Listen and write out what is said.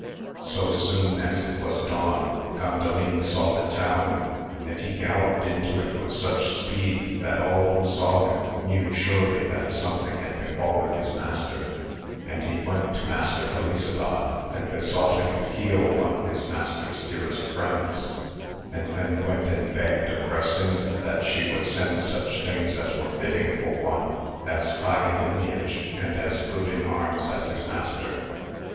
So soon as it was dawn Gandalin saw the town and he galloped into it with such speed that all who saw him knew surely that something had befallen his master ; and he went to Master HeHsabad, and besought him to heal one of his master's dearest friends, and then went and begged of Grasinda that she would send such things as were fitting for one, as high in lineage and as good in arms as his master.